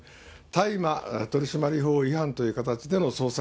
大麻取締法違反という形での捜索